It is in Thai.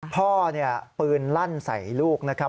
พ่อเนี่ยปืนลั่นใส่ลูกนะครับ